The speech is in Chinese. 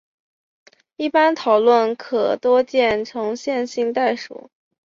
一般讨论可见多重线性代数。